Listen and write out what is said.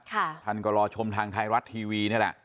ท่านก็รอชมทางไทยรัฐทีวีนี่แหละ